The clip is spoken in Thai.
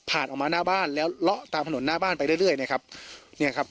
ออกมาหน้าบ้านแล้วเลาะตามถนนหน้าบ้านไปเรื่อยเรื่อยนะครับเนี่ยครับ